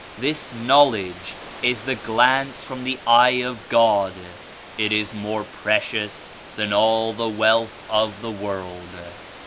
This Knowledge is the glance from the Eye of God. It is more precious than all the wealth of the world."